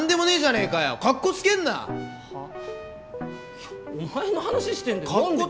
いやおまえの話してんだよ。